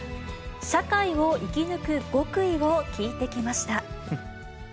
社会を生き抜く極意を聞いてきました。